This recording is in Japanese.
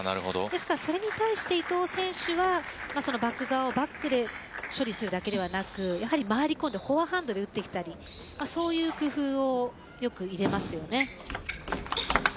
それに対して伊藤選手はバック側をバックで処理するだけではなく回り込んでフォアハンドで打ってきたりそういう工夫をよく入れます。